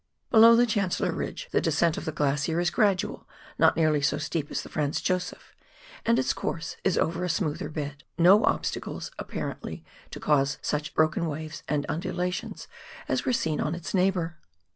Below the Chan cellor Ridge the descent of the glacier is gradual, not nearly so steep as the Franz Josef, and its course is over a smoother bed, no obstacles apparently to cause such broken waves and undulations as were seen on its neighbour.